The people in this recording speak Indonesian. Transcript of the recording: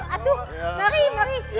aduh mari mari